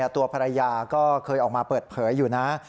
ตัวภรรยาก็เคยออกมาเปิดเผยอยู่นะ